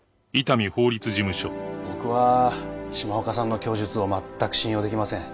僕は島岡さんの供述をまったく信用出来ません。